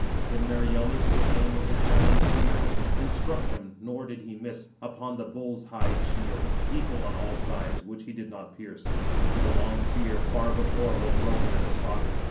Then Meriones took aim with his shining spear, and struck him (nor did he miss) upon the bull's hide shield, equal on all sides, which he did not pierce; for the long spear, far before was broken at the socket.